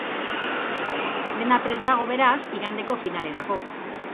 Dena prest dago beraz igandeko finalerako.